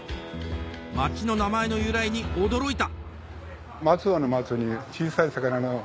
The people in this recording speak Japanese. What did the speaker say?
町の名前の由来に驚いた！